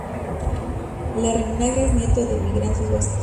Larrinaga es nieto de emigrantes vascos.